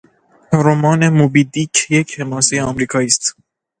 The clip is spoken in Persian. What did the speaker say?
رمان موبی دیک یک حماسهی امریکایی است.